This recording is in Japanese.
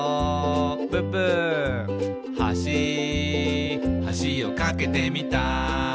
「はしはしを架けてみた」